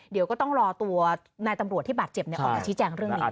เดี๋ยวก็ต้องรอตัวนายตำรวจที่บาดเจ็บออกมาชี้แจงเรื่องนี้